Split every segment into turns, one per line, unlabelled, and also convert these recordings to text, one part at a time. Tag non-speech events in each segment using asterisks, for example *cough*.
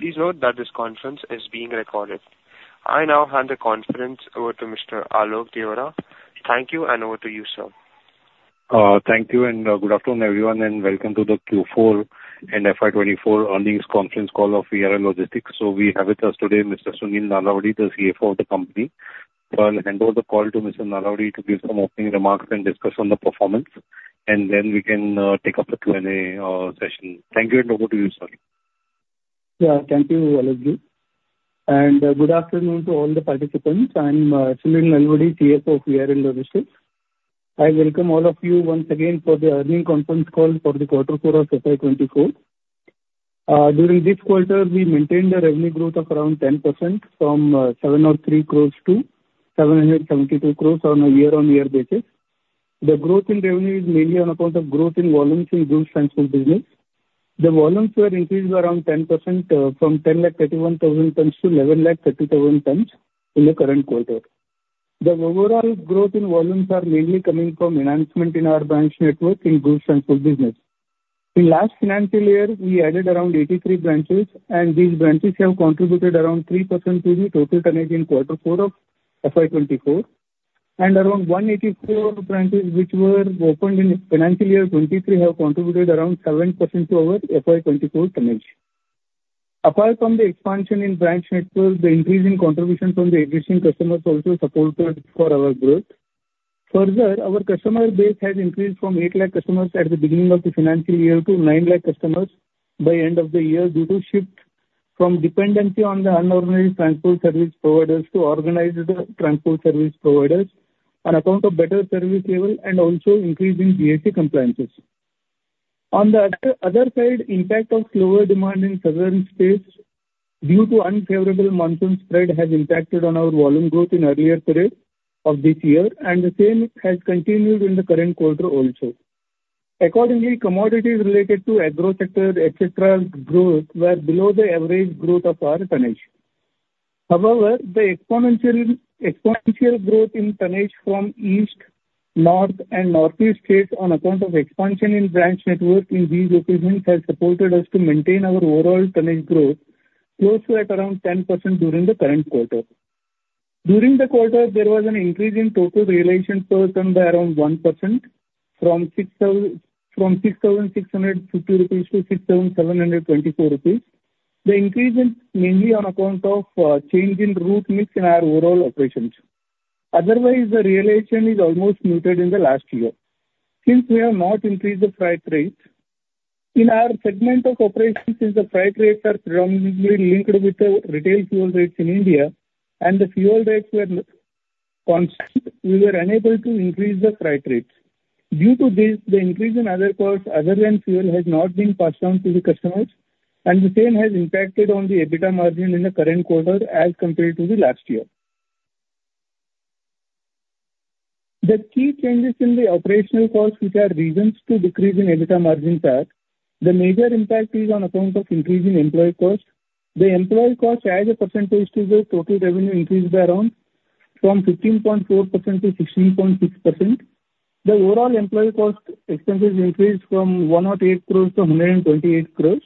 Please note that this conference is being recorded. I now hand the conference over to Mr. Alok Deora. Thank you, and over to you, sir.
Thank you, and good afternoon, everyone, and welcome to the Q4 and FY24 Earnings Conference Call of VRL Logistics. So we have with us today Mr. Sunil Nalavadi, the CFO of the company. So I'll hand over the call to Mr. Nalavadi to give some opening remarks and discuss on the performance, and then we can take up the Q&A session. Thank you, and over to you, sir.
Yeah, thank you, Alok. And good afternoon to all the participants. I'm Sunil Nalavadi, CFO of VRL Logistics. I welcome all of you once again for the earnings conference call for the quarter four of FY2024. During this quarter, we maintained a revenue growth of around 10% from 703 crores to 772 crores on a year-on-year basis. The growth in revenue is mainly on account of growth in volumes in goods and food business. The volumes were increased by around 10%, from 1,031,000 tons to 1,130,000 tons in the current quarter. The overall growth in volumes is mainly coming from enhancement in our branch network in goods and food business. In last financial year, we added around 83 branches, and these branches have contributed around 3% to the total tonnage in quarter four of FY2024. Around 184 branches which were opened in financial year 2023 have contributed around 7% to our FY24 tonnage. Apart from the expansion in branch network, the increase in contribution from the existing customers also supported our growth. Further, our customer base has increased from 8,000,000 customers at the beginning of the financial year to 9,000,000 customers by the end of the year due to shift from dependency on the unorganized transport service providers to organized transport service providers, on account of better service level, and also increase in GST compliances. On the other side, the impact of slower demand in southern states due to unfavorable monsoon spread has impacted our volume growth in the earlier period of this year, and the same has continued in the current quarter also. Accordingly, commodities related to agro-sector, etc., growth were below the average growth of our tonnage. However, the exponential, exponential growth in tonnage from east, north, and north-east states on account of expansion in branch network in these locations has supported us to maintain our overall tonnage growth close to at around 10% during the current quarter. During the quarter, there was an increase in total realization per ton by around 1% from 6,000 from 6,650 rupees to 6,724 rupees. The increase is mainly on account of change in route mix in our overall operations. Otherwise, the realization is almost muted in the last year. Since we have not increased the freight rate in our segment of operations, since the freight rates are predominantly linked with the retail fuel rates in India, and the fuel rates were constant, we were unable to increase the freight rate. Due to this, the increase in other costs, other than fuel, has not been passed down to the customers, and the same has impacted on the EBITDA margin in the current quarter as compared to the last year. The key changes in the operational costs, which are reasons to decrease in EBITDA margins, are: the major impact is on account of increase in employee cost. The employee cost, as a percentage, is the total revenue increase by around from 15.4%-16.6%. The overall employee cost expenses increased from 108 crores to 128 crores.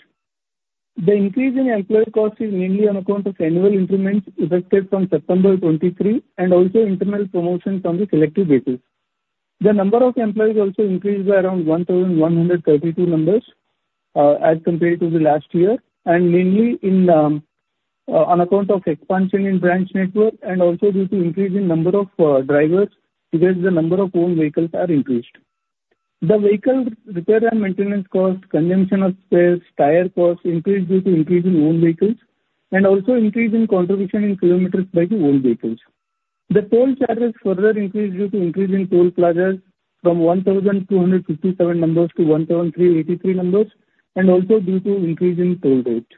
The increase in employee cost is mainly on account of annual increments effective from September 2023 and also internal promotions on a selective basis. The number of employees also increased by around 1,132 numbers, as compared to the last year, and mainly in, on account of expansion in branch network and also due to increase in number of, drivers because the number of owned vehicles has increased. The vehicle repair and maintenance costs, consumption of spares, tire costs increased due to increase in owned vehicles, and also increase in contribution in kilometers by the owned vehicles. The toll charges further increased due to increase in toll plazas from 1,257 numbers to 1,383 numbers, and also due to increase in toll rates.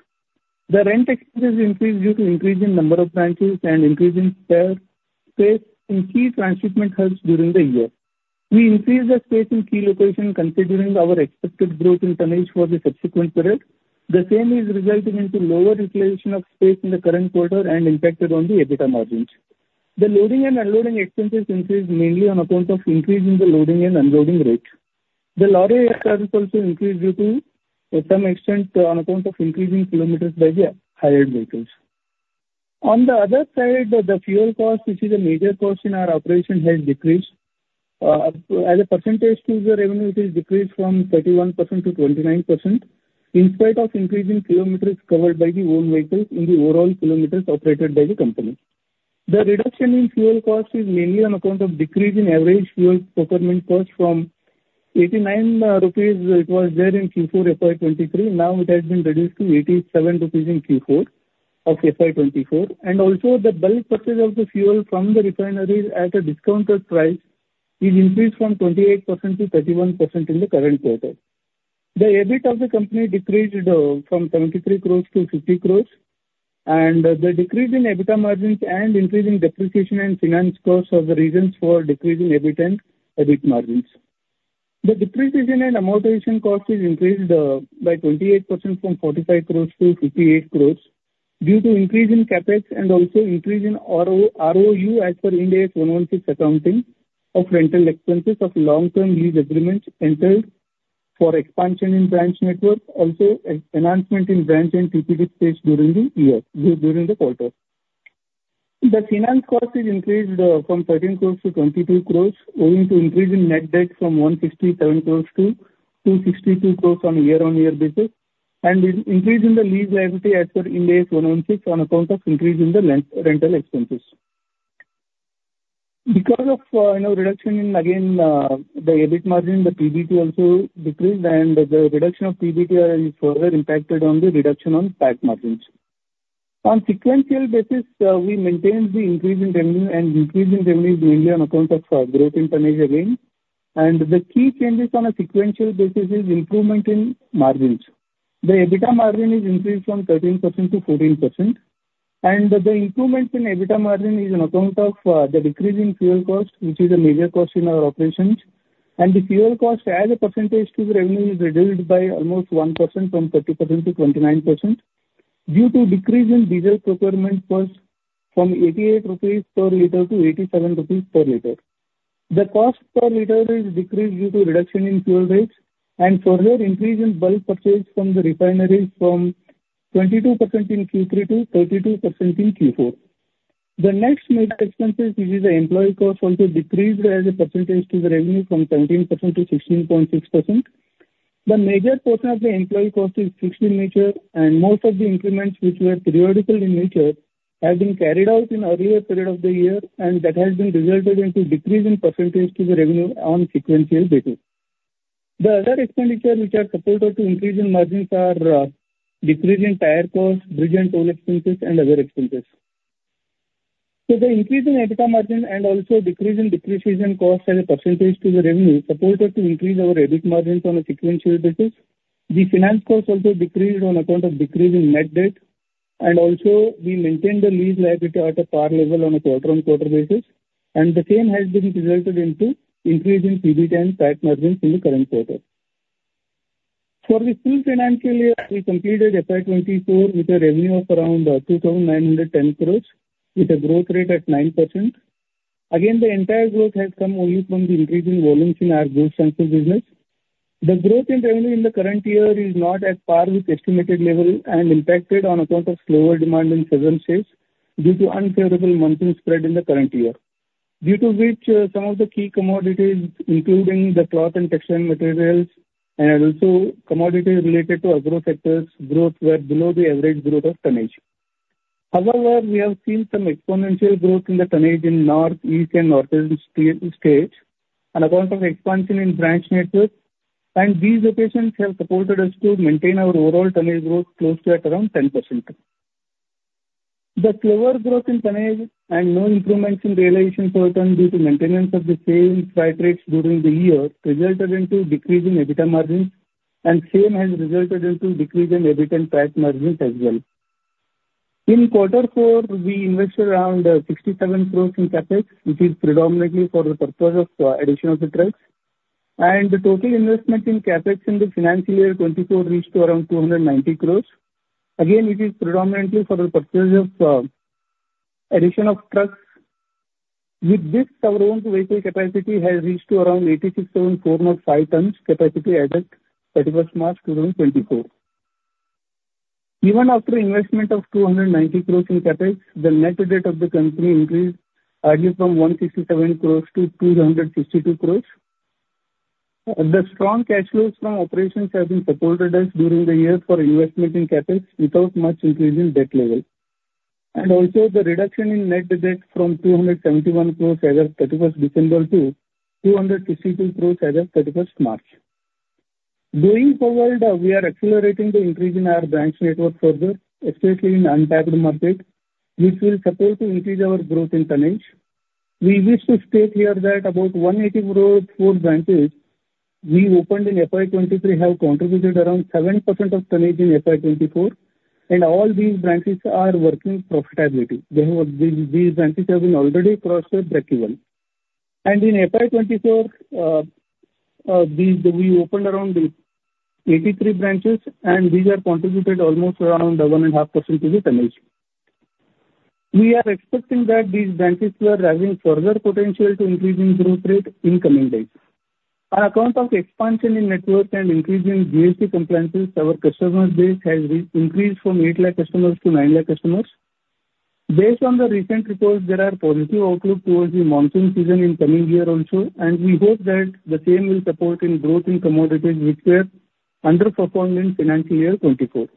The rent expenses increased due to increase in number of branches and increase in spare space in key transshipment hubs during the year. We increased the space in key locations considering our expected growth in tonnage for the subsequent period. The same is resulting in lower utilization of space in the current quarter and impacting the EBITDA margins. The loading and unloading expenses increased mainly on account of increase in the loading and unloading rates. The lorry charges also increased due to some extent on account of increase in kilometers by the hired vehicles. On the other side, the fuel cost, which is a major cost in our operation, has decreased. As a percentage to the revenue, it has decreased from 31%-29% in spite of increasing kilometers covered by the owned vehicles in the overall kilometers operated by the company. The reduction in fuel cost is mainly on account of decrease in average fuel procurement cost from 89 rupees it was there in Q4 FY23. Now it has been reduced to 87 rupees in Q4 of FY24. And also, the bulk purchase of the fuel from the refineries at a discounted price has increased from 28%-31% in the current quarter. The EBIT of the company decreased from 73 crore to 50 crore. The decrease in EBITDA margins and increase in depreciation and finance costs are the reasons for decrease in EBIT and EBIT margins. The depreciation and amortization cost has increased by 28% from 45 crore to 58 crore due to increase in CapEx and also increase in ROU as per Ind AS 116 accounting of rental expenses of long-term lease agreements entered for expansion in branch network, also enhancement in branch and transshipment space during the year, during the quarter. The finance cost has increased from 13 crore to 22 crore owing to increase in net debt from 167 crore to 262 crore on a year-on-year basis, and increase in the lease liability as per Ind AS 116 on account of increase in the rental expenses. Because of, you know, reduction in, again, the EBIT margin, the PBT also decreased, and the reduction of PBT has further impacted on the reduction on PAT margins. On sequential basis, we maintained the increase in revenue and increase in revenues mainly on account of growth in tonnage again. The key changes on a sequential basis are improvement in margins. The EBITDA margin has increased from 13% to 14%. The improvement in EBITDA margin is on account of the decrease in fuel cost, which is a major cost in our operations. The fuel cost as a percentage to the revenue is reduced by almost 1% from 30% to 29% due to decrease in diesel procurement costs from INR 88 per liter to INR 87 per liter. The cost per liter has decreased due to reduction in fuel rates and further increase in bulk purchase from the refineries from 22% in Q3 to 32% in Q4. The next major expenses, which is the employee cost, also decreased as a percentage to the revenue from 17% to 16.6%. The major portion of the employee cost is fixed in nature, and most of the increments, which were periodical in nature, have been carried out in the earlier period of the year, and that has been resulted in a decrease in percentage to the revenue on a sequential basis. The other expenditure, which supported the increase in margins, are decrease in tire costs, bridge and toll expenses, and other expenses. So the increase in EBITDA margin and also decrease in depreciation costs as a percentage to the revenue supported the increase in our EBIT margins on a sequential basis. The finance cost also decreased on account of decrease in net debt, and also we maintained the lease liability at a par level on a quarter-on-quarter basis, and the same has resulted in increase in PBT and PAT margins in the current quarter. For the full financial year, we completed FY 2024 with a revenue of around 2,910 crores with a growth rate at 9%. Again, the entire growth has come only from the increase in volumes in our goods and food business. The growth in revenue in the current year is not at par with the estimated level and impacted on account of slower demand in southern states due to unfavorable monsoon spread in the current year, due to which some of the key commodities, including the cloth and textile materials, and also commodities related to agro-sectors, growth were below the average growth of tonnage. However, we have seen some exponential growth in the tonnage in north, east, and northeastern states on account of expansion in branch network, and these locations have supported us to maintain our overall tonnage growth close to at around 10%. The slower growth in tonnage and no improvements in realization per ton due to maintenance of the same freight rates during the year resulted in a decrease in EBITDA margins, and the same has resulted in a decrease in EBIT and PAT margins as well. In quarter four, we invested around 67 crore in CapEx, which is predominantly for the purchase of additional trucks. The total investment in CapEx in the financial year 2024 reached around 290 crore. Again, it is predominantly for the purchase of additional trucks. With this, our owned vehicle capacity has reached around 8,674.5 tons capacity as of March 31st, 2024. Even after investment of 290 crore in CapEx, the net debt of the company increased only from 167 crore to 262 crore. The strong cash flows from operations have supported us during the year for investment in CapEx without much increase in debt level. Also, the reduction in net debt from 271 crore as of December 31st to 262 crore as of March 31st. Going forward, we are accelerating the increase in our branch network further, especially in the untapped market, which will support to increase our growth in tonnage. We wish to state here that about 184 branches we opened in FY23 have contributed around 7% of tonnage in FY24, and all these branches are working profitably. These branches have already crossed the breakeven. In FY24, we opened around 83 branches, and these have contributed almost around 1.5% to the tonnage. We are expecting that these branches will have further potential to increase in growth rate in the coming days. On account of expansion in network and increase in GST compliances, our customer base has increased from 8,000,000 customers to 9,000,000 customers. Based on the recent reports, there are positive outlooks towards the monsoon season in the coming year also, and we hope that the same will support in growth in commodities, which were underperformed in financial year 2024.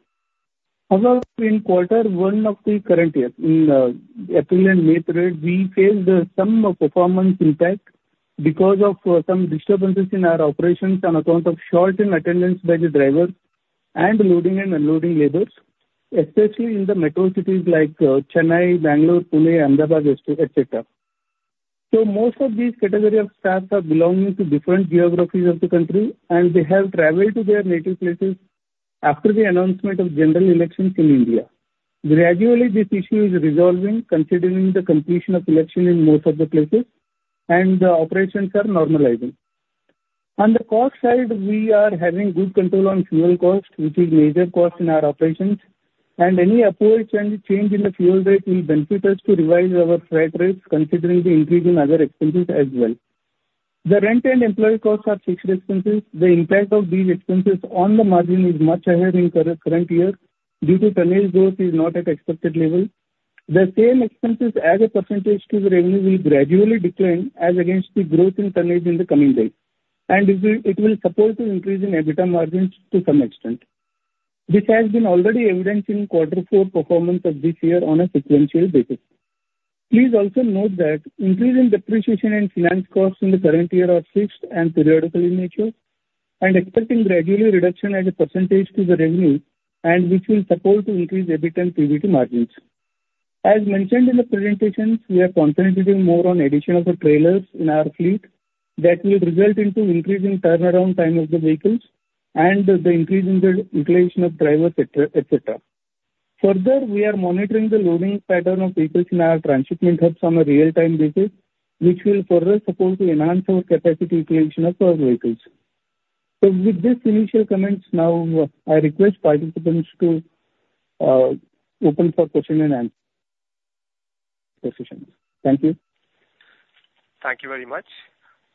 However, in quarter one of the current year, in the April and May period, we faced some performance impact because of some disturbances in our operations on account of shortened attendance by the drivers and loading and unloading labors, especially in the metro cities like Chennai, Bangalore, Pune, Ahmedabad, etc. Most of these categories of staff are belonging to different geographies of the country, and they have traveled to their native places after the announcement of general elections in India. Gradually, this issue is resolving considering the completion of elections in most of the places, and the operations are normalizing. On the cost side, we are having good control on fuel costs, which is a major cost in our operations. Any approach and change in the fuel rate will benefit us to revise our freight rates considering the increase in other expenses as well. The rent and employee costs are fixed expenses. The impact of these expenses on the margin is much higher in the current year due to tonnage growth being not at an expected level. The same expenses as a percentage to the revenue will gradually decline as against the growth in tonnage in the coming days, and it will support to increase in EBITDA margins to some extent. This has been already evidenced in quarter four performance of this year on a sequential basis. Please also note that increase in depreciation and finance costs in the current year are fixed and periodical in nature, and expecting a gradually reduction as a percentage to the revenue, which will support to increase EBIT and PBT margins. As mentioned in the presentations, we are concentrating more on the addition of trailers in our fleet that will result in an increase in turnaround time of the vehicles and the increase in the utilization of drivers, etc. Further, we are monitoring the loading pattern of vehicles in our transshipment hubs on a real-time basis, which will further support to enhance our capacity utilization of our vehicles. So with these initial comments now, I request participants to open for questions and answers.
Thank you. Thank you very much.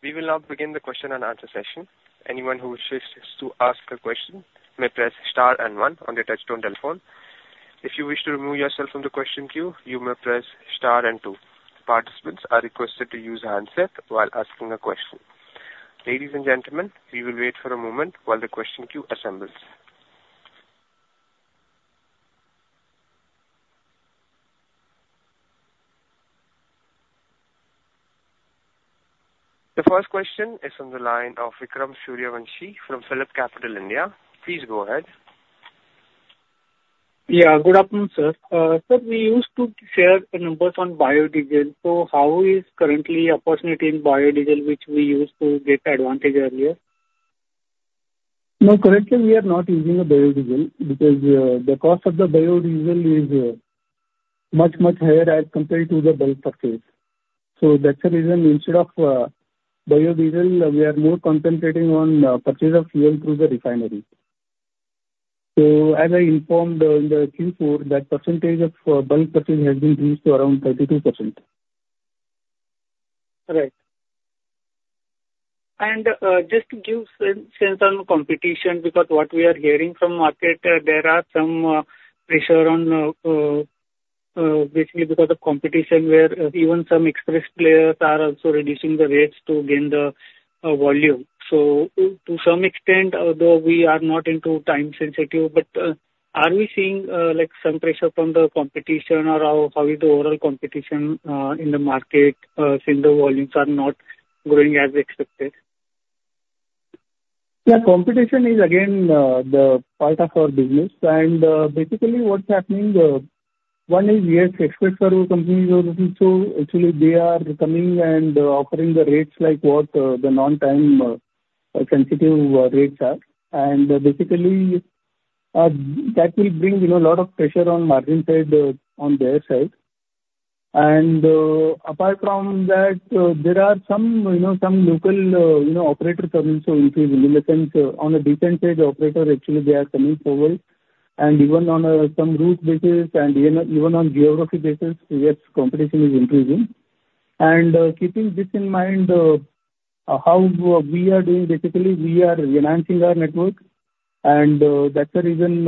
We will now begin the question and answer session. Anyone who wishes to ask a question may press star and one on the touch-tone telephone. If you wish to remove yourself from the question queue, you may press star and two. Participants are requested to use handsets while asking a question. Ladies and gentlemen, we will wait for a moment while the question queue assembles. The first question is from the line of Vikram Suryavanshi from PhillipCapital India. Please go ahead.
Yeah. Good afternoon, sir. Sir, we used to share the numbers on biodiesel. So how is currently the opportunity in biodiesel, which we used to get advantage earlier?
No, currently, we are not using biodiesel because, the cost of the biodiesel is, much, much higher as compared to the bulk purchase. So that's the reason. Instead of, biodiesel, we are more concentrating on, purchase of fuel through the refineries. So as I informed in the Q4, that percentage of bulk purchase has been reduced to around 32%.
Right. And just to give some sense of competition because of what we are hearing from the market, there are some pressures on basically because of competition where even some express players are also reducing the rates to gain the volume. So to some extent, although we are not into time-sensitive, but are we seeing like some pressure from the competition or how is the overall competition in the market since the volumes are not growing as expected?
Yeah. Competition is again the part of our business. And basically, what's happening, one is we have express cargo companies also actually, they are coming and offering the rates like what the non-time-sensitive rates are. And basically, that will bring you know a lot of pressure on the margin side on their side. Apart from that, there are some, you know, some local, you know, operators also increasing. In the sense, on a decent-sized operator, actually, they are coming forward. Even on some route basis and even on geography basis, yes, competition is increasing. Keeping this in mind, how we are doing, basically, we are enhancing our network. That's the reason,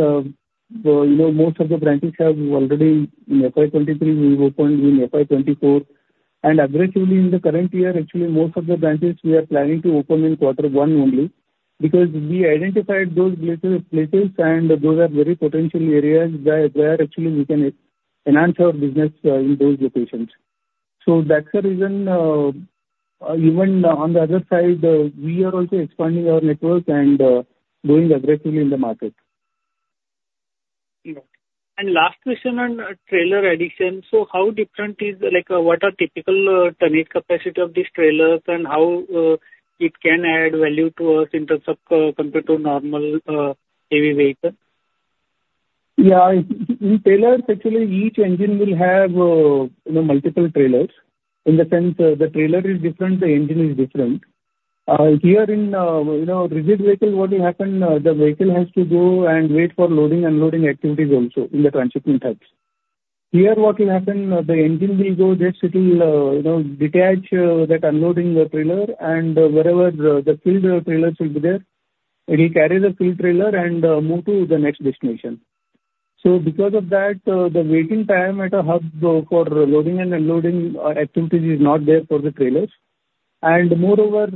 you know, most of the branches have already in FY23, we've opened in FY24. Aggressively in the current year, actually, most of the branches, we are planning to open in quarter one only because we identified those places, and those are very potential areas where actually we can enhance our business in those locations. So that's the reason, even on the other side, we are also expanding our network and going aggressively in the market.
Okay. Last question on trailer addition. So how different is, like, what are typical tonnage capacities of these trailers and how, it can add value to us in terms of compared to normal, heavy vehicles?
Yeah. In trailers, actually, each engine will have, you know, multiple trailers. In the sense, the trailer is different, the engine is different. Here in, you know, rigid vehicle, what will happen, the vehicle has to go and wait for loading and unloading activities also in the transshipment hubs. Here, what will happen, the engine will go there, it will, you know, detach that unloading trailer, and wherever the filled trailers will be there, it will carry the filled trailer and move to the next destination. So because of that, the waiting time at a hub for loading and unloading activities is not there for the trailers. Moreover,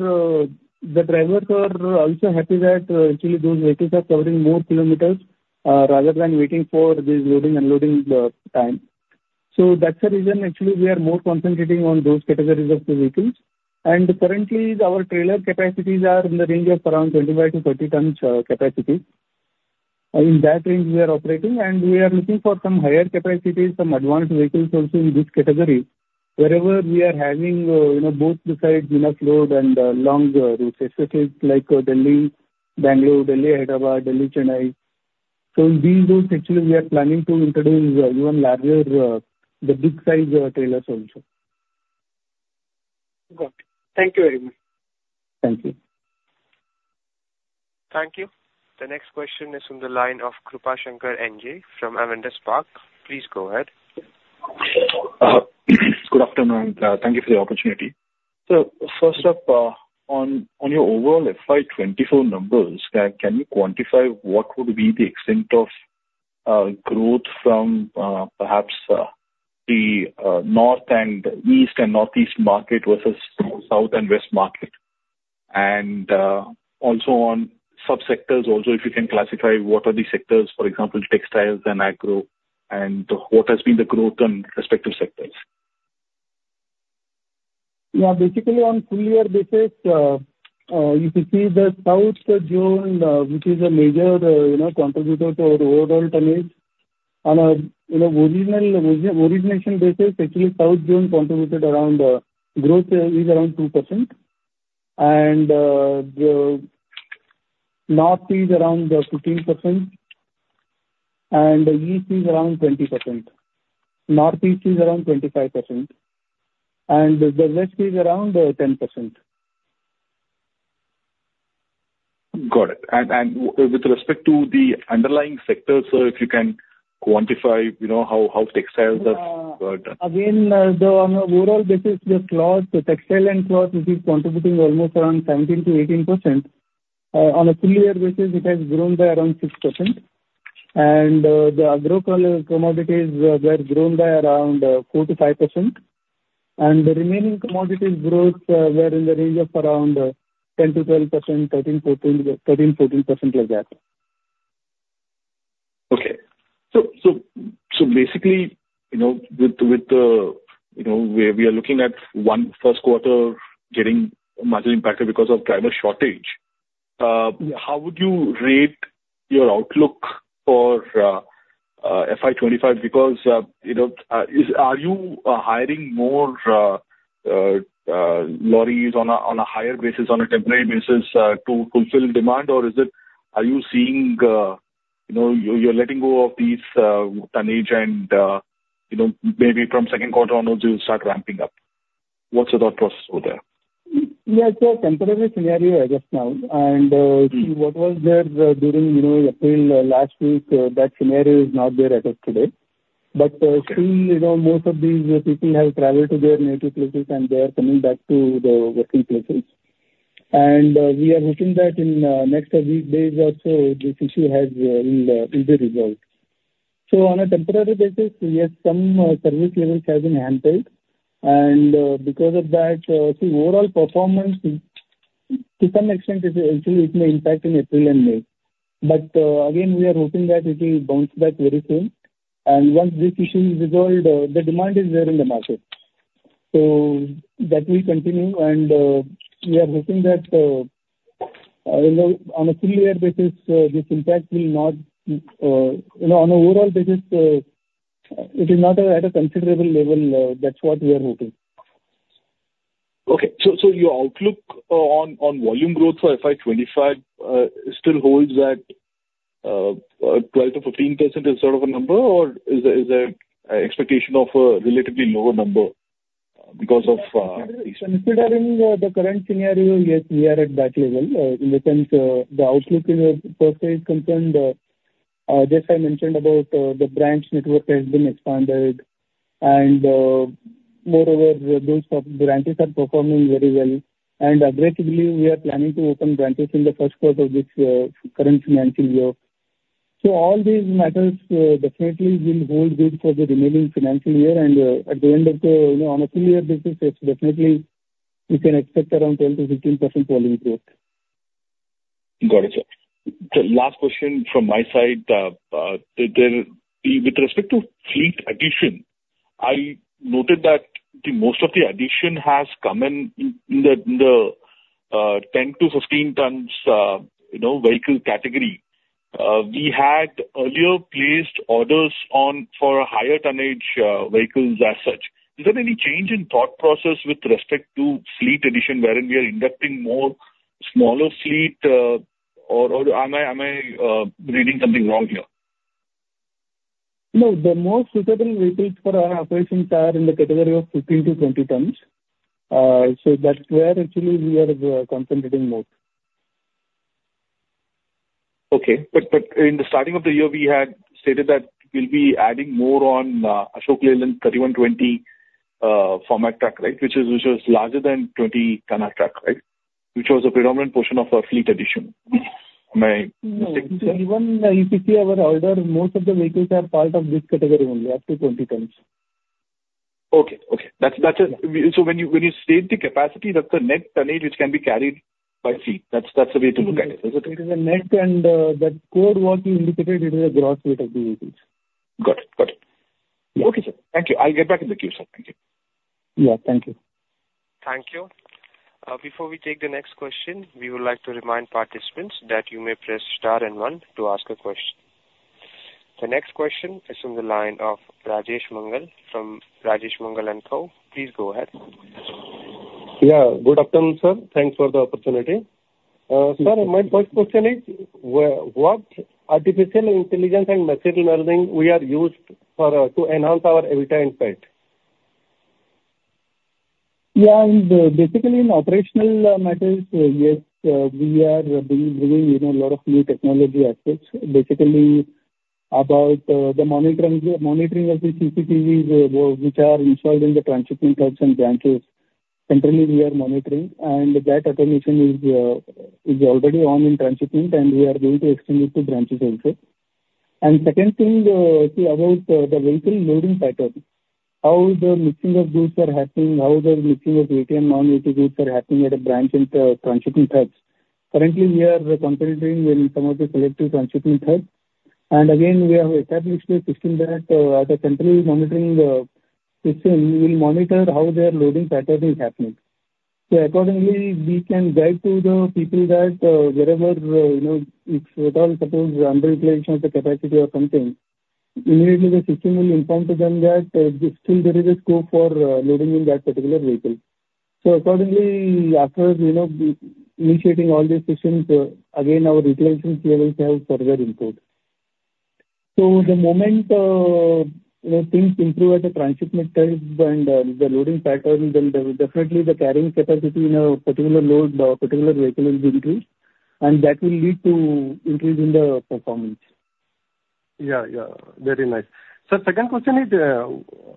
the drivers are also happy that actually those vehicles are covering more kilometers rather than waiting for this loading and unloading time. So that's the reason, actually, we are more concentrating on those categories of the vehicles. Currently, our trailer capacities are in the range of around 25-30 tons capacity. In that range, we are operating. We are looking for some higher capacities, some advanced vehicles also in this category wherever we are having, you know, both the sides in inflow and long routes, especially like Delhi, Bangalore, Delhi, Hyderabad, Delhi, Chennai. In these routes, actually, we are planning to introduce even larger the big-sized trailers also.
Okay. Thank you very much.
Thank you.
Thank you. The next question is from the line of Krupashankar NJ from Avendus Spark. Please go ahead.
Good afternoon. Thank you for the opportunity. So first off, on your overall FY24 numbers, can you quantify what would be the extent of growth from perhaps the north and east and northeast market versus south and west market? And also on subsectors also, if you can classify what are the sectors, for example, textiles and agro, and what has been the growth in respective sectors?
Yeah. Basically, on full-year basis, you can see that south zone, which is a major, you know, contributor to our overall tonnage, on an original origination basis, actually, south zone contributed around growth is around 2%. And the north is around 15%. And the east is around 20%. Northeast is around 25%. And the west is around 10%.
Got it. And with respect to the underlying sectors, sir, if you can quantify how textiles have grown.
Again, though, on an overall basis, the cloth, the textile and cloth, which is contributing almost around 17%-18%, on a full-year basis, it has grown by around 6%. And the agro commodities were grown by around 4%-5%. And the remaining commodities growth were in the range of around 10%-12%, 13%-14% like that.
Okay. So basically, with the you know, we are looking at one Q1 getting much impacted because of driver shortage. How would you rate your outlook for FY25? Because, you know, are you hiring more lorries on a higher basis, on a temporary basis to fulfill demand, or are you seeing you know, you're letting go of this tonnage, and maybe from Q2 onwards, you'll start ramping up? What's your thought process over there?
Yeah. It's a temporary scenario, I guess, now. What was there during, you know, April last week, that scenario is not there as of today. But still, you know, most of these people have traveled to their native places, and they are coming back to the working places. And we are hoping that in the next weekdays also, this issue will be resolved. So on a temporary basis, yes, some service levels have been hampered. And because of that, see, overall performance, to some extent, actually, it may impact in April and May. But again, we are hoping that it will bounce back very soon. And once this issue is resolved, the demand is there in the market. So that will continue. And we are hoping that, you know, on a full-year basis, this impact will not you know, on an overall basis, it is not at a considerable level. That's what we are hoping.
Okay. So your outlook on volume growth for FY25 still holds at 12%-15% as sort of a number, or is there an expectation of a relatively lower number because of.
Considering the current scenario, yes, we are at that level. In the sense, the outlook in the first phase concerned, just as I mentioned about the branch network has been expanded. And moreover, those branches are performing very well. And aggressively, we are planning to open branches in the Q1 of this current financial year. So all these matters definitely will hold good for the remaining financial year. And at the end of the on a full-year basis, yes, definitely, we can expect around 12%-15% volume growth.
Got it, sir. Last question from my side. With respect to fleet addition, I noted that most of the addition has come in the 10-15 tons, you know, vehicle category. We had earlier placed orders for higher tonnage vehicles as such. Is there any change in thought process with respect to fleet addition wherein we are inducting more smaller fleet, or am I reading something wrong here?
No. The more suitable vehicles for our operations are in the category of 15-20 tons. So that's where, actually, we are concentrating most.
Okay. But in the starting of the year, we had stated that we'll be adding more on Ashok Leyland 3120 format truck, right, which was larger than 20-tonner truck, right, which was a predominant portion of our fleet addition. Am I mistaken, sir?
No. Even if you see our order, most of the vehicles are part of this category only, up to 20 tons.
Okay. Okay. So when you state the capacity, that's a net tonnage which can be carried by fleet. That's the way to look at it, isn't it?
It is a net. And that code what you indicated, it is a gross weight of the vehicles.
Got it. Got it. Okay, sir. Thank you. I'll get back in the queue, sir. Thank you.
Yeah. Thank you.
Thank you. Before we take the next question, we would like to remind participants that you may press star and one to ask a question. The next question is from the line of Rajesh Mangal from Rajesh Mangal & Co. Please go ahead.
Yeah. Good afternoon, sir. Thanks for the opportunity. Sir, my first question is, what artificial intelligence and machine learning we are used to enhance our EBITDA impact?
Yeah. Basically, in operational matters, yes, we are bringing a lot of new technology aspects, basically about the monitoring of the CCTVs which are installed in the transshipment hubs and branches. Centrally, we are monitoring. And that automation is already on in transshipment, and we are going to extend it to branches also. And second thing, see, about the vehicle loading pattern, how the mixing of goods are happening, how the mixing of heavy and light goods are happening at a branch and transshipment hubs. Currently, we are concentrating in some of the selective transshipment hubs. And again, we have established a system that as a centrally monitoring system, we will monitor how their loading pattern is happening. So accordingly, we can guide the people that wherever, you know, it's at all, suppose, underutilization of the capacity or something, immediately, the system will inform them that still there is a scope for loading in that particular vehicle. So accordingly, after initiating all these systems, again, our utilization levels have further improved. So the moment things improve at the transshipment hub and the loading pattern, then definitely, the carrying capacity in a particular load or particular vehicle will be increased. And that will lead to increase in the performance.
Yeah. Yeah. Very nice. Sir, second question is,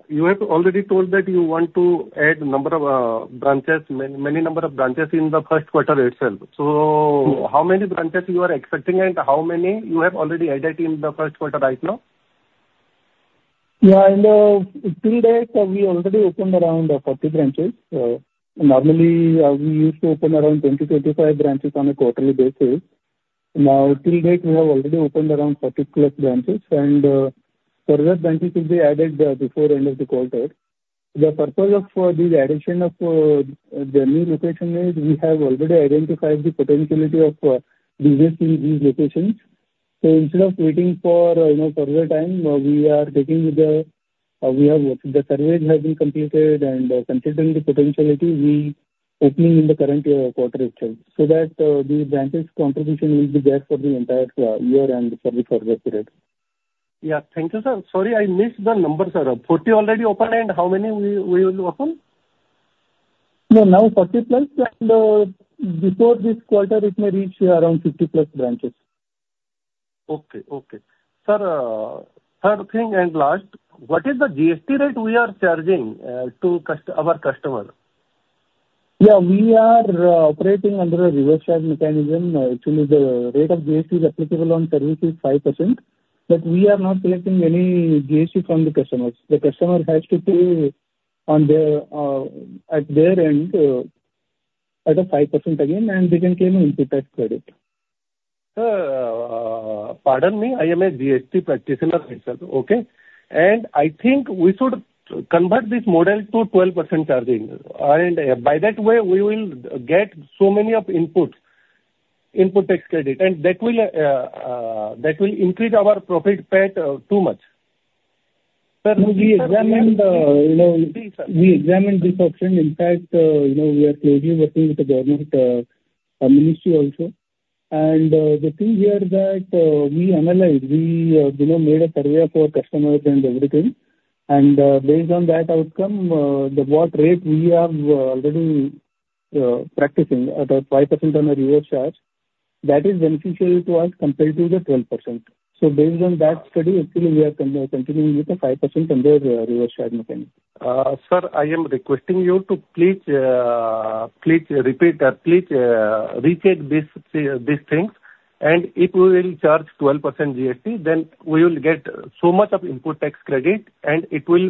you have already told that you want to add a number of branches, many number of branches in the Q1 itself. So how many branches you are expecting, and how many you have already added in the Q1 right now?
Yeah. Till date, we already opened around 40 branches. Normally, we used to open around 20-25 branches on a quarterly basis. Now, till date, we have already opened around 40+ branches. Further branches will be added before the end of the quarter. The purpose of this addition of the new location is we have already identified the potentiality of business in these locations. So instead of waiting for further time, we are taking the surveys have been completed, and considering the potentiality, we are opening in the current quarter itself so that these branches' contribution will be there for the entire year and for the further period.
Yeah. Thank you, sir. Sorry, I missed the number, sir. 40 already opened, and how many will open?
No. Now, 40+. Before this quarter, it may reach around 50+ branches.
Okay. Okay. Sir, third thing and last, what is the GST rate we are charging to our customer?
Yeah. We are operating under a reverse charge mechanism. Actually, the rate of GST is applicable on service is 5%. But we are not collecting any GST from the customers. The customer has to pay at their end at a 5% again, and they can claim input tax credit.
Sir, pardon me. I am a GST practitioner myself. Okay. And I think we should convert this model to 12% charging. And by that way, we will get so many of input tax credit. And that will increase our profit PAT too much. Sir, we examined the you know, we examined this option. In fact, we are closely working with the government ministry also.
And the thing here is that we analyzed. We made a survey for customers and everything. Based on that outcome, what rate we are already practicing at a 5% on a reverse charge, that is beneficial to us compared to the 12%. Based on that study, actually, we are continuing with a 5% under Reverse Charge Mechanism.
Sir, I am requesting you to please repeat, please recheck these things. And if we will charge 12% GST, then we will get so much of Input Tax Credit, and it will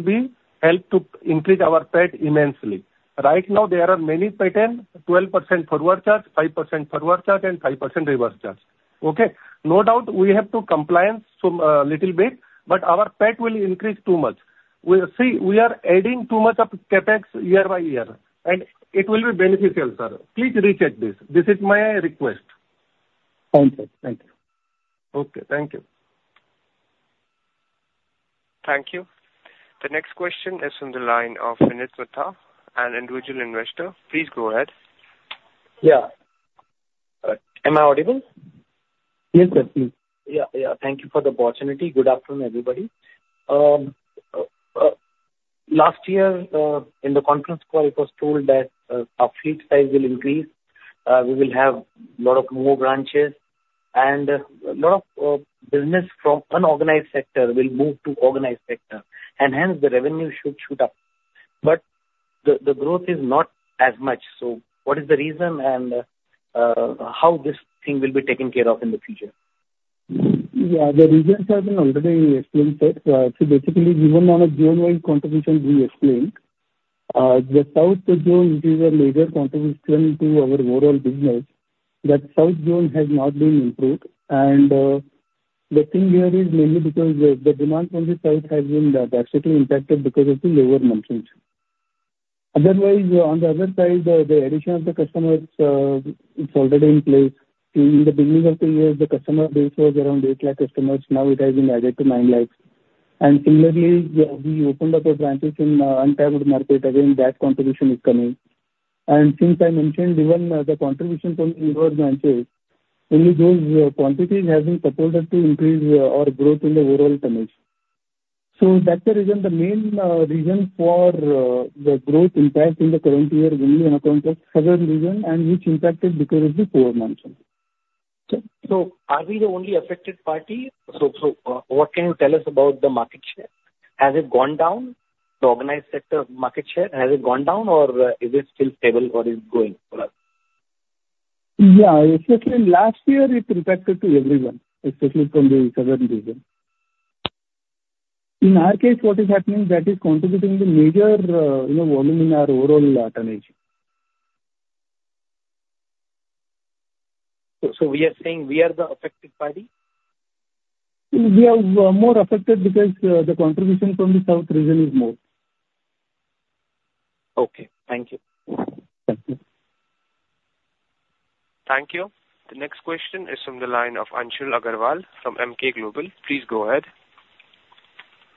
help to increase our PAT immensely. Right now, there are many patterns: 12% forward charge, 5% forward charge, and 5% reverse charge. Okay? No doubt, we have to comply a little bit, but our PAT will increase too much. See, we are adding too much of CapEx year by year. And it will be beneficial, sir. Please recheck this. This is my request.
Thank you. Thank you.
Okay. Thank you.
Thank you. The next question is from the line of Vinit Mata, an individual investor. Please go ahead.
Yeah. Am I audible?
Yes, sir. Please.
Yeah. Yeah. Thank you for the opportunity. Good afternoon, everybody. Last year, in the conference call, it was told that our fleet size will increase. We will have a lot of more branches. A lot of business from unorganized sector will move to organized sector. Hence, the revenue should shoot up. But the growth is not as much. So what is the reason and how this thing will be taken care of in the future?
Yeah. The reasons have been already explained, sir. See, basically, even on a zone-wide contribution, we explained. The South zone, which is a major contribution to our overall business, that South zone has not been improved. The thing here is mainly because the demand from the south has been directly impacted because of the lower monthly income. Otherwise, on the other side, the addition of the customers, it's already in place. See, in the beginning of the year, the customer base was around 8 lakh customers. Now, it has been added to 9 lakhs. And similarly, we opened up a branch in untapped market. Again, that contribution is coming. And since I mentioned, even the contribution from in those branches, only those quantities have been supported to increase our growth in the overall tonnage. So that's the reason. The main reason for the growth impact in the current year is only on account of the southern region and which impacted because of the four months.
So are we the only affected party? So what can you tell us about the market share? Has it gone down, the organized sector market share? Has it gone down, or is it still stable, or is it going for us?
Yeah. Especially last year, it impacted everyone, especially from the southern region. In our case, what is happening is that it's contributing the major volume in our overall tonnage.
So we are saying we are the affected party?
We are more affected because the contribution from the south region is more.
Okay. Thank you.
Thank you.
Thank you. The next question is from the line of Anshul Agrawal from Emkay Global. Please go ahead.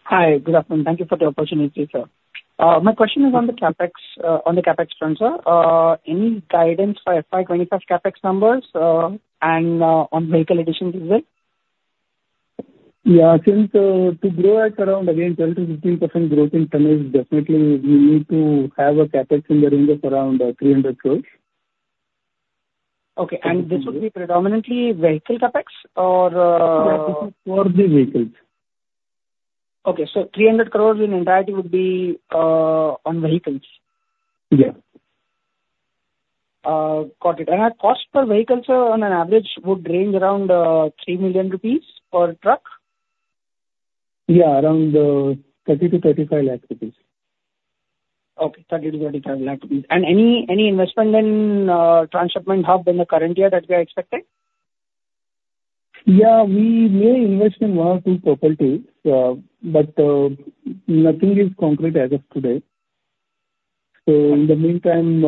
Hi. Good afternoon. Thank you for the opportunity, sir. My question is on the CapEx trend, sir. Any guidance for FY25 CapEx numbers and on vehicle addition as well?
Yeah. To grow at around, again, 12%-15% growth in tonnage, definitely, we need to have a CapEx in the range of around 300 crores.
Okay. And this would be predominantly vehicle CapEx, or?
Yeah. This is for the vehicles.
Okay. So 300 crores in entirety would be on vehicles?
Yeah.
Got it. And our cost per vehicle, sir, on an average, would range around 3 million rupees per truck?
Yeah. Around 30-35 lakh rupees.
Okay. 30-35 lakh rupees. And any investment in transshipment hub in the current year that we are expecting?
Yeah. We may invest in one or two properties, but nothing is concrete as of today. So in the meantime,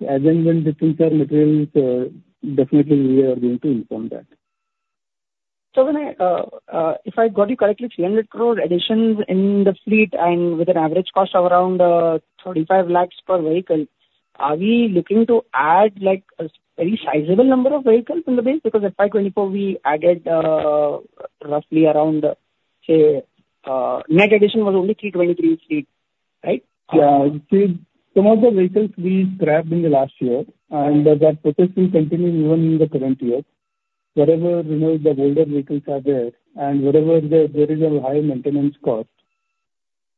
as and when the things are materialized, definitely, we are going to inform that.
So if I got you correctly, 300 crore additions in the fleet and with an average cost of around 35 lakhs per vehicle, are we looking to add a very sizable number of vehicles in the base? Because FY2024, we added roughly around, say, net addition was only 323 fleet, right?
Yeah. See, some of the vehicles we scrapped in the last year, and that process will continue even in the current year. Wherever, you know, the older vehicles are there and wherever there is a high maintenance cost.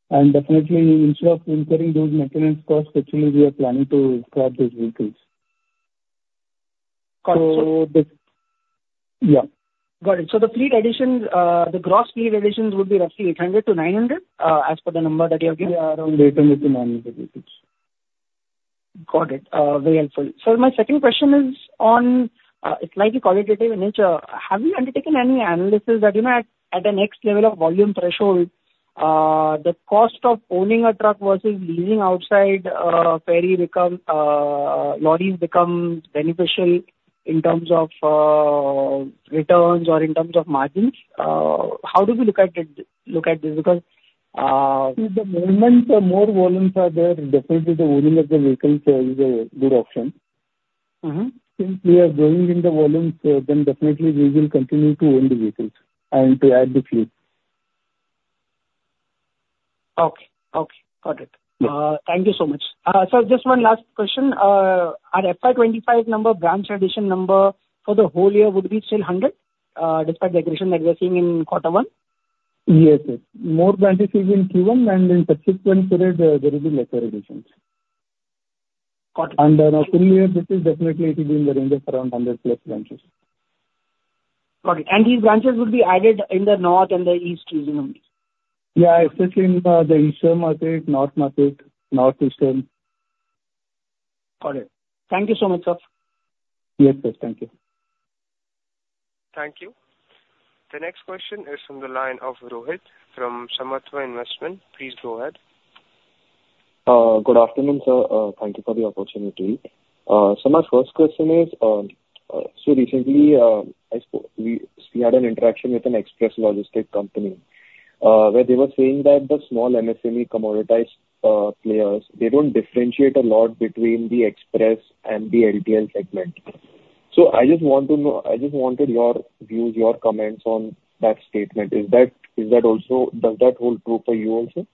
And definitely, instead of incurring those maintenance costs, actually, we are planning to scrap those vehicles.
Got it. So.
Yeah.
Got it. So the fleet additions, the gross fleet additions would be roughly 800-900 as per the number that you have given?
Yeah. Around 800-900 vehicles.
Got it. Very helpful. Sir, my second question is on its slightly qualitative in nature. Have you undertaken any analysis that, you know, at a next level of volume threshold, the cost of owning a truck versus leasing outside ferry becomes lorries become beneficial in terms of returns or in terms of margins? How do we look at this? Because.
See, at the moment, the more volumes are there, definitely, the owning of the vehicles is a good option. Since we are growing in the volumes, then definitely, we will continue to own the vehicles and to add the fleet.
Okay. Okay. Got it. Thank you so much. Sir, just one last question. Our FY25 number, branch addition number for the whole year would be still 100 despite the aggression that we are seeing in quarter one?
Yes, sir. More branches have been given, and in subsequent period, there will be lesser additions.
Got it.
On a full year, this is definitely it will be in the range of around 100+ branches.
Got it. And these branches would be added in the north and the east region only?
Yeah. Especially in the eastern market, north market, north eastern.
Got it. Thank you so much, sir.
Yes, sir. Thank you.
Thank you. The next question is from the line of Rohit from Samatva Investments. Please go ahead.
Good afternoon, sir. Thank you for the opportunity. Sir, my first question is, see, recently, we had an interaction with an express logistics company where they were saying that the small MSME commoditized players, they don't differentiate a lot between the express and the LTL segment. So I just want to know I just wanted your views, your comments on that statement. Is that also does that hold true for you also?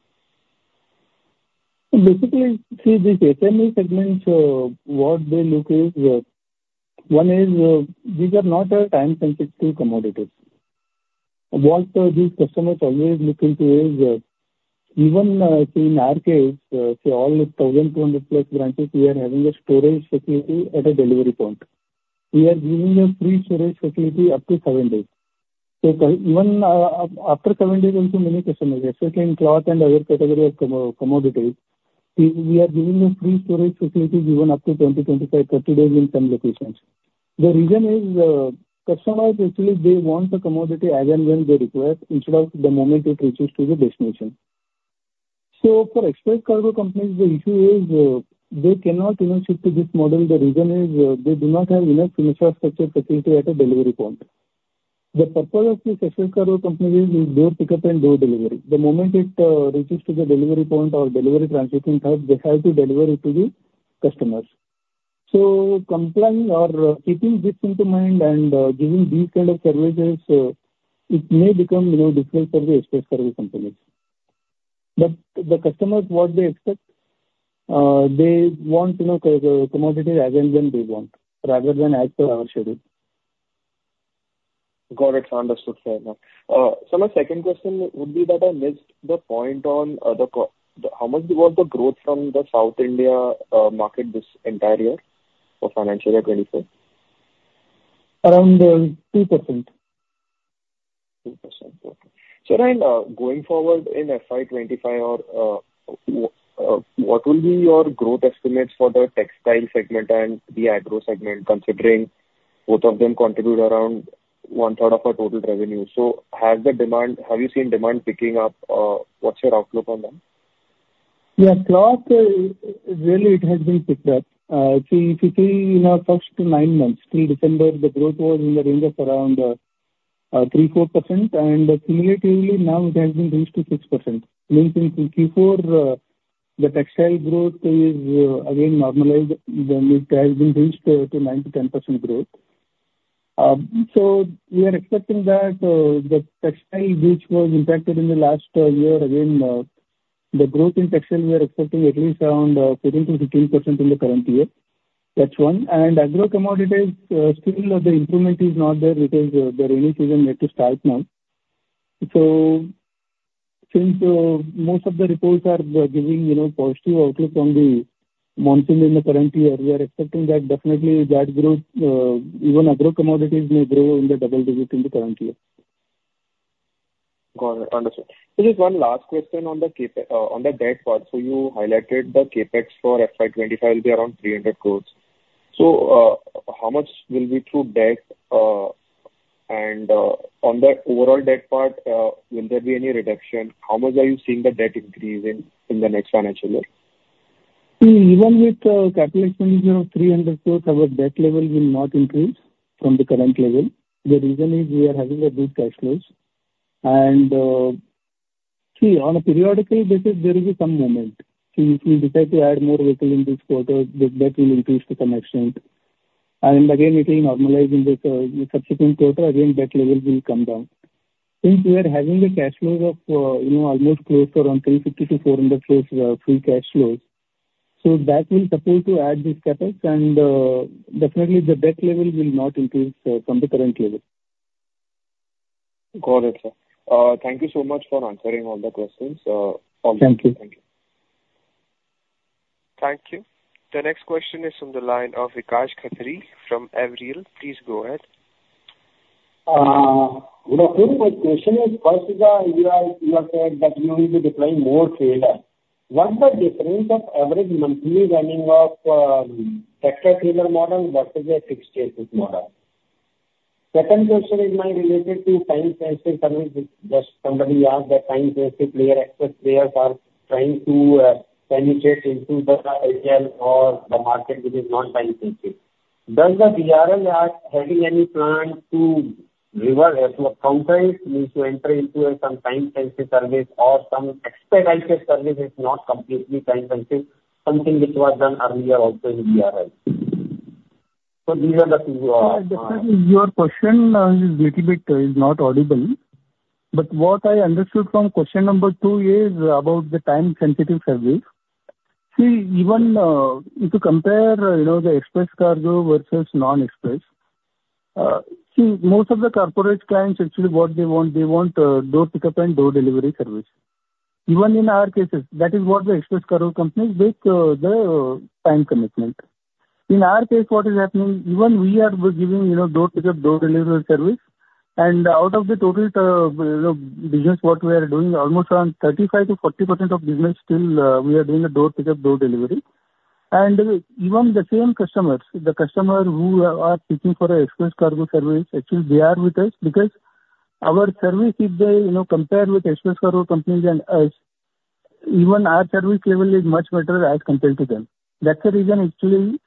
Basically, see, this SME segment, what they look is one is these are not time-sensitive commodities. What these customers always look into is even see, in our case, see, all 1,200+ branches, we are having a storage facility at a delivery point. We are giving a free storage facility up to seven days. So even after seven days, also, many customers, especially in cloth and other category of commodities, see, we are giving a free storage facility given up to 20, 25, 30 days in some locations. The reason is customers, actually, they want the commodity as and when they request instead of the moment it reaches to the destination. So for express cargo companies, the issue is they cannot shift to this model. The reason is they do not have enough infrastructure facility at a delivery point. The purpose of this express cargo company is door pickup and door delivery. The moment it reaches to the delivery point or delivery transshipment hub, they have to deliver it to the customers. So complying or keeping this into mind and giving these kind of services, it may become difficult for the express cargo companies. But the customers, what they expect, they want commodities as and when they want rather than as per our schedule.
Got it. Understood. Sir, sir, my second question would be that I missed the point on how much was the growth from the South India market this entire year for financial year 2024?
Around 2%. 2%.
Okay. Sir, and going forward in FY25, what will be your growth estimates for the textile segment and the agro segment considering both of them contribute around one-third of our total revenue? So has the demand have you seen demand picking up? What's your outlook on that?
Yeah. Cloth, really, it has been picked up. See, if you see in our first nine months, till December, the growth was in the range of around 3%-4%. And cumulatively, now, it has been reached to 6%. Means in Q4, the textile growth is, again, normalized. It has been reached to 9%-10% growth. So we are expecting that the textile, which was impacted in the last year, again, the growth in textile, we are expecting at least around 15%-15% in the current year. That's one. And agro commodities, still, the improvement is not there. It is the rainy season yet to start now. So since most of the reports are giving positive outlook on the monsoon in the current year, we are expecting that definitely that growth, even agro commodities, may grow in the double digit in the current year.
Got it. Understood. This is one last question on the debt part. So you highlighted the CapEx for FY25 will be around 300 crore. So how much will be through debt? And on the overall debt part, will there be any reduction? How much are you seeing the debt increase in the next financial year?
See, even with capital expenditure of 300 crore, our debt level will not increase from the current level. The reason is we are having a good cash flows. And see, on a periodical basis, there will be some moment. See, if we decide to add more vehicle in this quarter, the debt will increase to some extent. And again, it will normalize in the subsequent quarter. Again, debt level will come down. Since we are having a cash flow of almost close to around 350 crore-400 crore free cash flows, so that will support to add this CapEx. And definitely, the debt level will not increase from the current level.
Got it, sir. Thank you so much for answering all the questions. All the.
Thank you.
Thank you. The next question is from the line of Vikas Khatri from Aviral. Please go ahead.
The question is, first, you have said that you will be deploying more trailer. What's the difference of average monthly running of tractor trailer model versus a fixed chassis model? Second question is mine related to time-sensitive service. Somebody asked that time-sensitive player, express players, are trying to penetrate into the LTL or the market which is non-time-sensitive. Does the VRL have any plan to reverse? To accountant, means to enter into some time-sensitive service or some expertized service is not completely time-sensitive, something which was done earlier also in VRL? So these are the two.
Your question is a little bit not audible. But what I understood from question number two is about the time-sensitive service. See, even if you compare the express cargo versus non-express, see, most of the corporate clients, actually, what they want, they want door pickup and door delivery service. Even in our cases, that is what the express cargo companies take, the time commitment. In our case, what is happening, even we are giving door pickup, door delivery service. And out of the total business what we are doing, almost around 35%-40% of business, still, we are doing a door pickup, door delivery. And even the same customers, the customer who are seeking for an express cargo service, actually, they are with us because our service, if they compare with express cargo companies and us, even our service level is much better as compared to them. That's the reason, actually,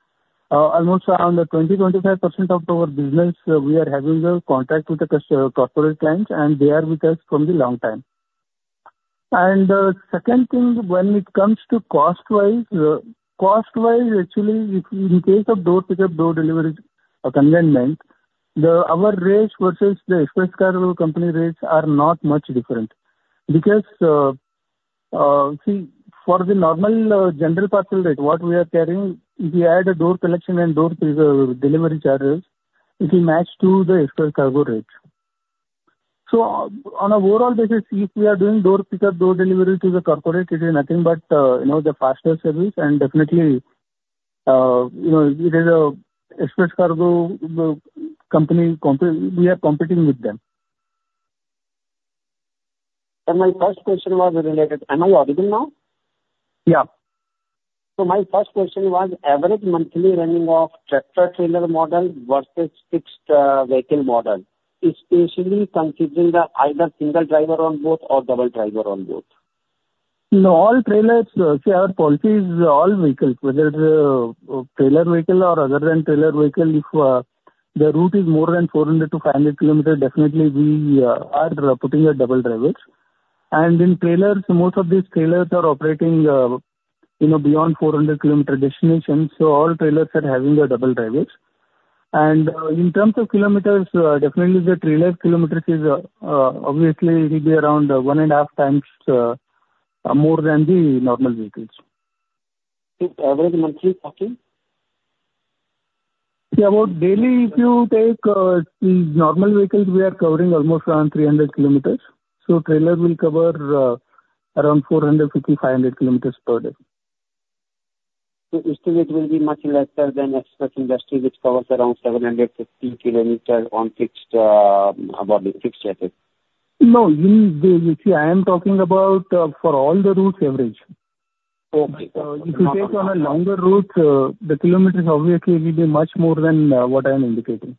almost around 20%-25% of our business, we are having a contract with the corporate clients, and they are with us from the long time. And the second thing, when it comes to cost-wise, cost-wise, actually, in case of door pickup, door delivery convenience, our rates versus the express cargo company rates are not much different. Because see, for the normal general parcel rate, what we are carrying, if you add a door collection and door delivery charges, it will match to the express cargo rate. So on an overall basis, if we are doing door pickup, door delivery to the corporate, it is nothing but the faster service. And definitely, it is an express cargo company we are competing with them. And my first question was related.
Am I audible now?
Yeah.
So my first question was, average monthly running of tractor trailer model versus fixed vehicle model, especially considering the either single driver on board or double driver on board?
No. All trailers, see, our policy is all vehicles, whether it's a trailer vehicle or other than trailer vehicle. If the route is more than 400-500 kilometers, definitely, we are putting a double driver. And in trailers, most of these trailers are operating beyond 400 kilometers destination. So all trailers are having a double driver. And in terms of kilometers, definitely, the trailer kilometers is obviously, it will be around 1.5 times more than the normal vehicles.
Average monthly parking?
See, about daily, if you take normal vehicles, we are covering almost around 300 km. So trailer will cover around 450-500 km per day.
So still, it will be much lesser than express industry, which covers around 750 km on fixed chassis?
No. See, I am talking about for all the routes, average. If you take on a longer route, the kilometers, obviously, will be much more than what I am indicating.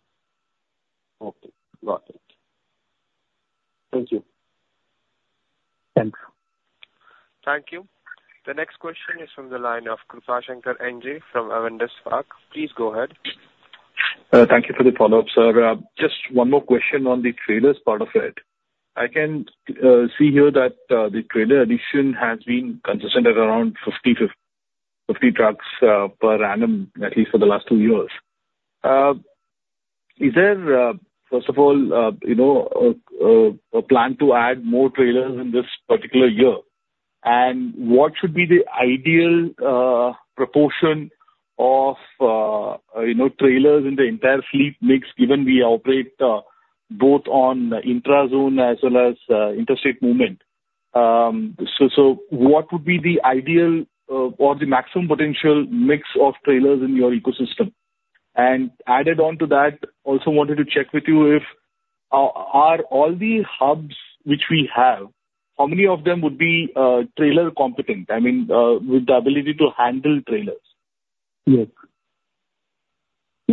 Okay. Got it. Thank you.
Thanks.
Thank you. The next question is from the line of Krupashankar NJ from Avendus Spark. Please go ahead. Thank you for the follow-up, sir. Just one more question on the trailers part of it.
I can see here that the trailer addition has been consistent at around 50 trucks per annum, at least for the last two years. Is there, first of all, a plan to add more trailers in this particular year? What should be the ideal proportion of trailers in the entire fleet mix, given we operate both on intra-zone as well as interstate movement? What would be the ideal or the maximum potential mix of trailers in your ecosystem? Added on to that, also wanted to check with you if all the hubs which we have-how many of them would be trailer competent, I mean, with the ability to handle trailers?
See,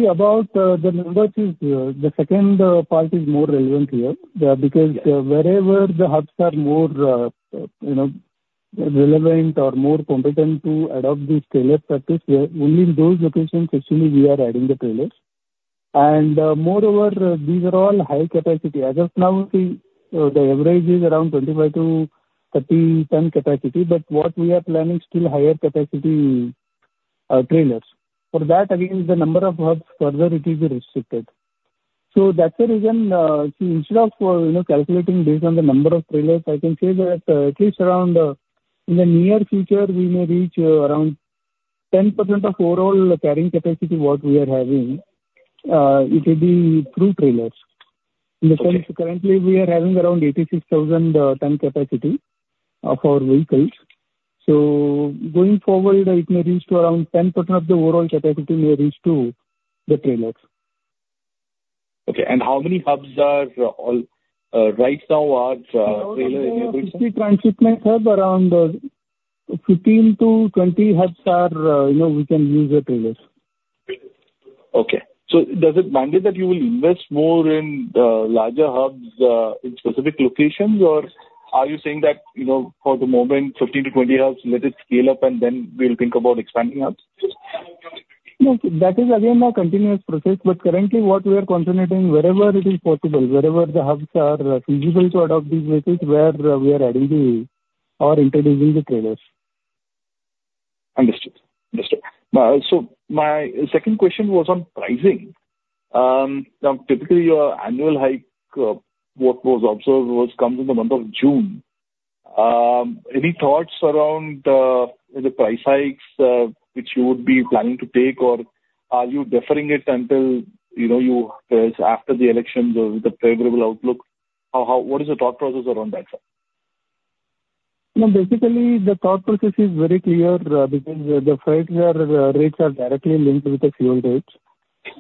about the number, the second part is more relevant here because wherever the hubs are more relevant or more competent to adopt this trailer practice, only in those locations, actually, we are adding the trailers. And moreover, these are all high capacity. As of now, see, the average is around 25-30-ton capacity. But what we are planning, still, higher capacity trailers. For that, again, the number of hubs further, it will be restricted. So that's the reason. See, instead of calculating based on the number of trailers, I can say that at least around in the near future, we may reach around 10% of overall carrying capacity what we are having. It will be through trailers in the sense currently, we are having around 86,000-ton capacity for vehicles. So going forward, it may reach to around 10% of the overall capacity may reach to the trailers.
Okay. And how many hubs are right now trailer-enabled?
See, transshipment hub, around 15-20 hubs where we can use the trailers.
Okay. So does it mandate that you will invest more in larger hubs in specific locations, or are you saying that for the moment, 15-20 hubs, let it scale up, and then we'll think about expanding up?
No. That is, again, a continuous process. But currently, what we are concentrating on, wherever it is possible, wherever the hubs are feasible to adopt these vehicles, where we are adding or introducing the trailers.
Understood. Understood. So my second question was on pricing. Now, typically, your annual hike, what was observed was [that it] comes in the month of June. Any thoughts around the price hikes which you would be planning to take, or are you deferring it until after the elections or with a favorable outlook? What is the thought process around that, sir?
No. Basically, the thought process is very clear because the freight rates are directly linked with the fuel rates.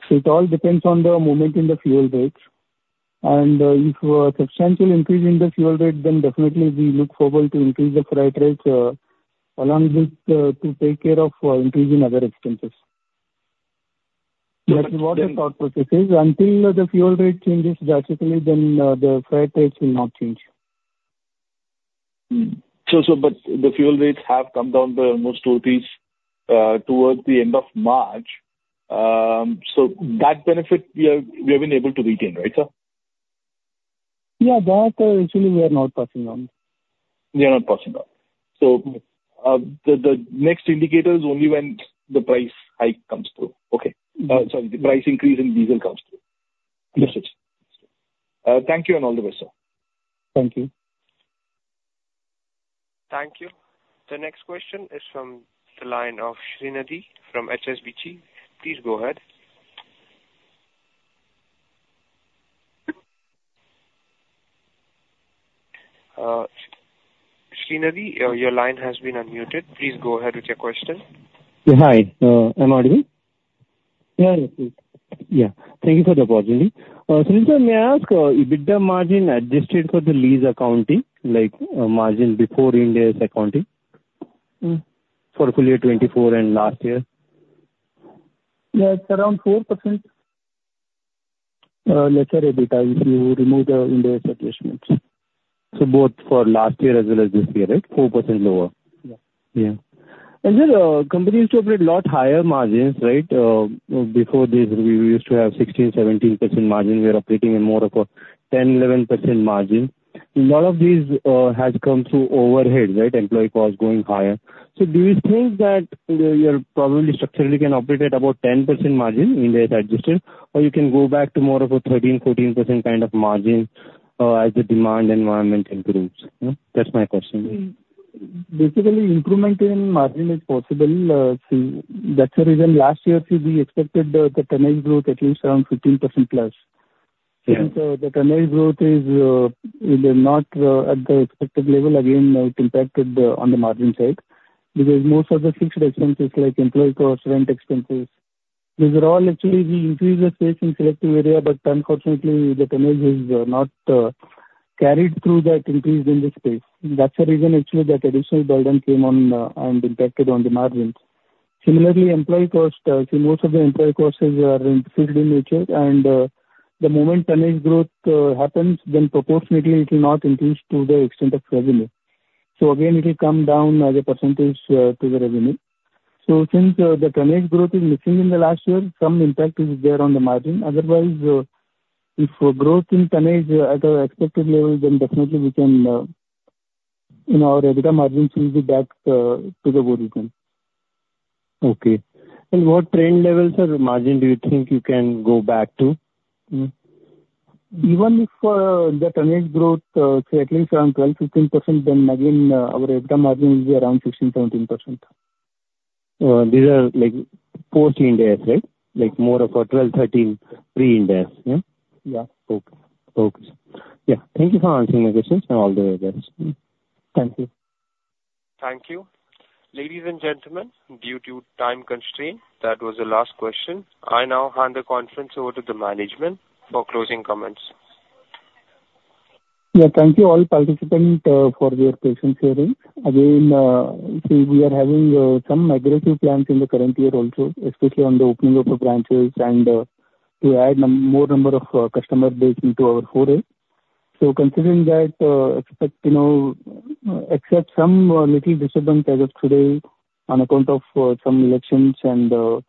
So it all depends on the moment in the fuel rates. And if a substantial increase in the fuel rate, then definitely, we look forward to increase the freight rates along with to take care of increasing other expenses. That's what the thought process is. Until the fuel rate changes drastically, then the freight rates will not change.
So, but the fuel rates have come down by almost 2 towards the end of March. So that benefit, we have been able to retain, right, sir?
Yeah. That, actually, we are not passing on.
You are not passing on. So the next indicator is only when the price hike comes through. Okay. Sorry. The price increase in diesel comes through.
*audio distortion*
Thank you, and all the best, sir.
Thank you.
Thank you. The next question is from the line of Srinidhi from HSBC. Please go ahead. Srinidhi, your line has been unmuted. Please go ahead with your question.
Hi. Am I audible? Yeah. Yeah. Thank you for the opportunity. Srinidhi, may I ask, EBITDA margin adjusted for the lease accounting, margin before Ind AS accounting for FY 24 and last year?
Yes. Around 4% lesser EBITDA if you remove the Ind AS adjustments.
So both for last year as well as this year, right? 4% lower.
Yeah.
And then companies to operate lot higher margins, right? Before this, we used to have 16%-17% margin. We are operating in more of a 10%-11% margin. A lot of these has come through overhead, right? Employee cost going higher. So do you think that you probably structurally can operate at about 10% margin Ind AS adjusted, or you can go back to more of a 13%-14% kind of margin as the demand environment improves? That's my question.
Basically, improvement in margin is possible. See, that's the reason last year, see, we expected the turnover growth at least around 15%+. Since the turnover growth is not at the expected level, again, it impacted on the margin side because most of the fixed expenses like employee cost, rent expenses, these are all actually we increase the space in selective area. But unfortunately, the turnover is not carried through that increase in the space. That's the reason, actually, that additional burden came on and impacted on the margins. Similarly, employee cost, see, most of the employee costs are in fixed in nature. The moment turnover growth happens, then proportionately, it will not increase to the extent of revenue. So again, it will come down as a percentage to the revenue. So since the turnout growth is missing in the last year, some impact is there on the margin. Otherwise, if growth in turnout at our expected level, then definitely, our EBITDA margin will be back to the original.
Okay. And what trend levels or margin do you think you can go back to?
Even if the turnout growth, see, at least around 12%-15%, then again, our EBITDA margin will be around 16%-17%.
These are post-Ind AS, right? More of a 12%-13% pre-Ind AS. Yeah?
Yeah.
Okay. Okay. Yeah. Thank you for answering my questions. All the very best.
Thank you.
Thank you. Ladies and gentlemen, due to time constraint, that was the last question. I now hand the conference over to the management for closing comments.
Yeah. Thank you all participants for your patience hearing. Again, see, we are having some aggressive plans in the current year also, especially on the opening of branches and to add more number of customer base into our foray. So considering that, except some little disturbance as of today on account of some elections and the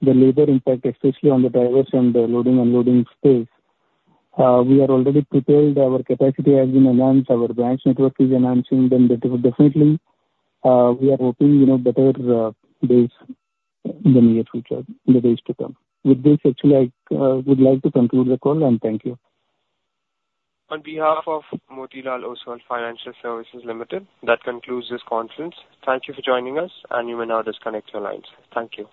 labor impact, especially on the drivers and the loading-unloading space, we are already prepared. Our capacity has been enhanced. Our branch network is enhancing. Then definitely, we are hoping better days in the near future, in the days to come. With this, actually, I would like to conclude the call, and thank you. On behalf of Motilal Oswal Financial Services Limited, that concludes this conference. Thank you for joining us, and you may now disconnect your lines. Thank you.